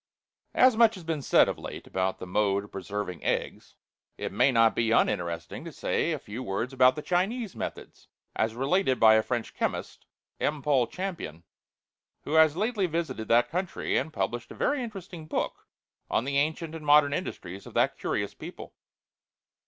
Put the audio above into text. As much has been said of late about the mode of preserving eggs, it may not be uninteresting to say a few words about the Chinese methods, as related by a French chemist, M. Paul Champion, who has lately visited that country, and published a very interesting book on the ancient and modern industries of that curious people.